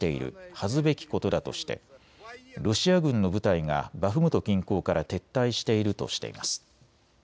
恥ずべきことだとしてロシア軍の部隊がバフムト近郊から撤退しているとしています。